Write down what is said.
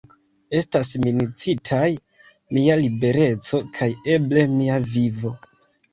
Estas minacitaj mia libereco kaj eble mia vivo.